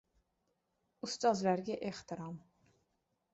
Ustozlarga ehtirom